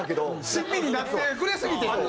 親身になってくれすぎてと。